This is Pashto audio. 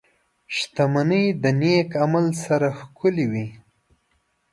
• شتمني د نېک عمل سره ښکلې وي.